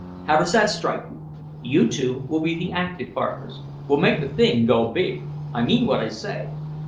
How does that strike you? You two will be the active partners. We'll make the thing go big. I mean what I say."